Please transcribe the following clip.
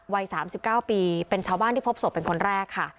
วัยสามสิบเก้าปีเป็นชาวบ้านที่พบศพเป็นคนแรกค่ะ